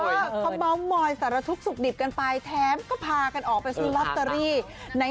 ว่าเขาเมาส์มอยสารทุกข์สุขดิบกันไปแถมก็พากันออกไปซื้อลอตเตอรี่ใน